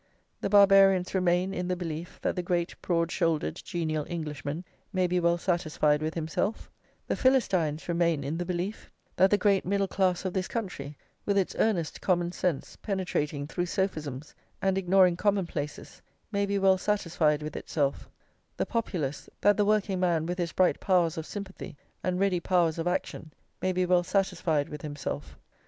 The Barbarians remain in the belief that the great broad shouldered genial Englishman may be well satisfied with himself; the Philistines remain in the belief that the great middle class of this country, with its earnest common sense penetrating through sophisms and ignoring commonplaces, may be well satisfied with itself: the Populace, that the working man with his bright powers of sympathy and ready powers of action, may be well satisfied with himself.